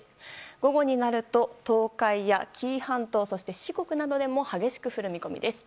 午後になると東海や紀伊半島四国などでも激しく降る見込みです。